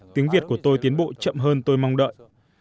tiếng việt của tôi tiến bộ chậm hơn tôi mong đợi